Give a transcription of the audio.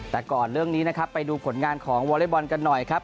แต่ก่อนเรื่องนี้นะครับไปดูผลงานของวอเล็กบอลกันหน่อยครับ